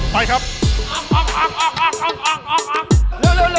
ไปครับ